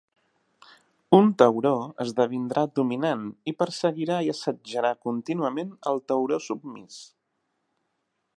Un tauró esdevindrà dominant i perseguirà i assetjarà contínuament el tauró submís.